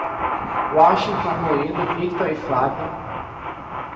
Washington, Murilo, Víctor e Flávia